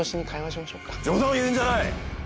冗談を言うんじゃない！